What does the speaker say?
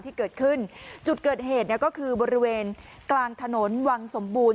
ที่เกิดขึ้นจุดเกิดเหตุเนี่ยก็คือบริเวณกลางถนนวังสมบูรณ